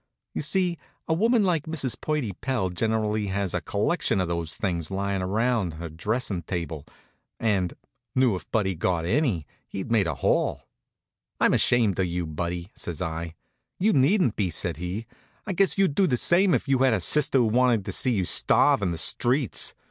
You see, a woman like Mrs. Purdy Pell generally has a collection of those things lyin' around on her dressin' table, and; knew if Buddy'd got any, he'd made a haul. "I'm ashamed of you, Buddy," says I. "You needn't be," says he. "I guess you'd do the same if you had a sister that wanted to see you starve in the streets.